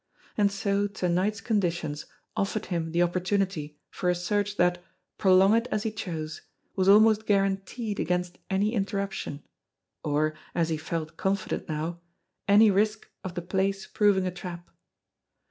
And so to night's conditions offered him the opportunity for a search that, prolong it as he chose, was almost guaranteed against any interruption, or, as he felt confident now, any risk of the place proving a trap.